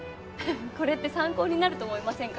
これって参考になると思いませんか？